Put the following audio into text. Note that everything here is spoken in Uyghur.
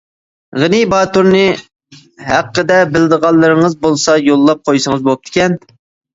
غېنى باتۇرنى ھەققىدە بىلىدىغانلىرىڭىز بولسا يوللاپ قويسىڭىز بوپتىكەن.